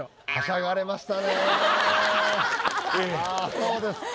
あっそうですか。